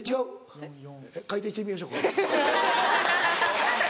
回転してみましょうか。